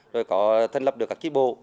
rồi có thân lập được các chiếc bộ